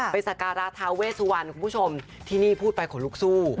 ไปสการราชาเวสวรรค์คุณผู้ชมที่นี่พูดไปของลูกสู้